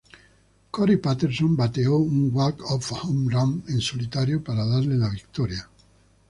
Corey Patterson bateó un walk-off home run en solitario para darle la victoria.